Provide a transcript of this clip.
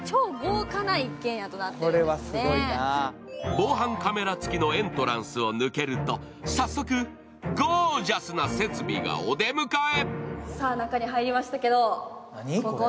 防犯カメラ付きのエントランスを抜けると、早速、ゴージャスな設備がお出迎え。